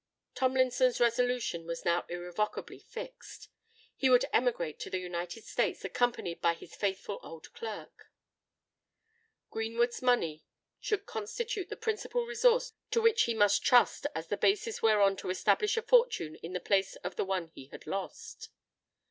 Tomlinson's resolution was now irrevocably fixed. He would emigrate to the United States, accompanied by his faithful old clerk! Greenwood's money should constitute the principal resource to which he must trust as the basis whereon to establish a fortune in the place of the one he had lost.